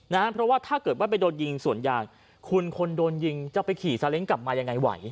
เพราะว่าถ้าเกิดว่าไปโดนยิงสวนยางคุณคนโดนยิงจะไปขี่ซาเล้งกลับมายังไงไหว